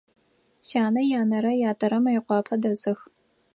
Сянэ янэрэ ятэрэ Мыекъуапэ дэсых.